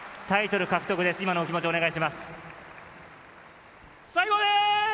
タイトルを獲得です。